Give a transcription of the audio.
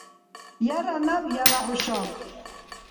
Яра наб яра хӏушаб